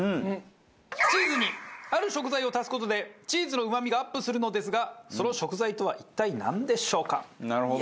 チーズにある食材を足す事でチーズのうまみがアップするのですがその食材とは一体なんでしょうか？